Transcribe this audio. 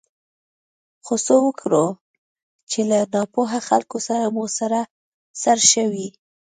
خو څه وکړو چې له ناپوهه خلکو سره مو سر شوی.